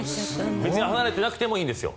別に離れていなくてもいいんですよ